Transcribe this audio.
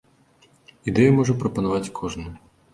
Ідэю можа прапанаваць кожны!